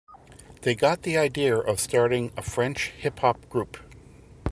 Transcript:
They got the idea of starting a French Hip Hop group.